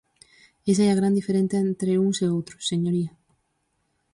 Esa é a gran diferenza entre uns e outros, señoría.